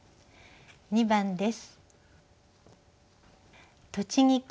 ２番です。